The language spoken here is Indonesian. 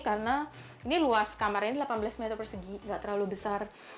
karena ini luas kamarnya delapan belas meter persegi nggak terlalu besar